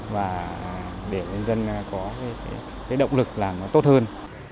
và để nhân dân có động lực làm được